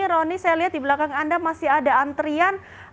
roni saya lihat di belakang anda masih ada antrian